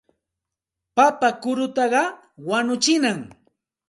Papa kurutaqa wañuchinam.